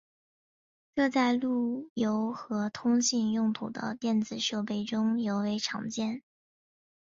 这在路由和通信用途的电子设备中尤为常见。